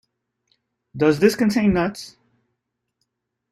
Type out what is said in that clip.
Does this contain nuts?